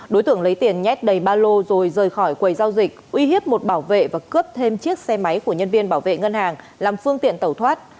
đối tượng lấy tiền nhét đầy ba lô rồi rời khỏi quầy giao dịch uy hiếp một bảo vệ và cướp thêm chiếc xe máy của nhân viên bảo vệ ngân hàng làm phương tiện tẩu thoát